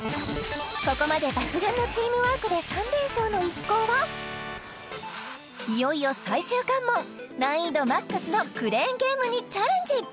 ここまで抜群のチームワークで３連勝の一行はいよいよ最終関門難易度ＭＡＸのクレーンゲームにチャレンジ